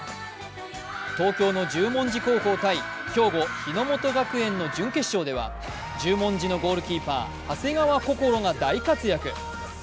東京の十文字高校×兵庫・日ノ本学園の準決勝では十文字のゴールキーパー長谷川想が大活躍。